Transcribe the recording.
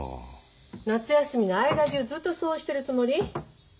夏休みの間中ずっとそうしてるつもり？